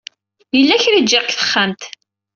Yella kra i ǧǧiɣ deg texxamt.